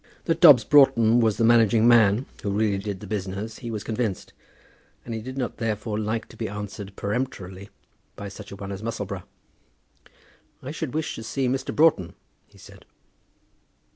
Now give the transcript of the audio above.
That Dobbs Broughton was the managing man, who really did the business, he was convinced; and he did not therefore like to be answered peremptorily by such a one as Musselboro. "I should wish to see Mr. Broughton," he said.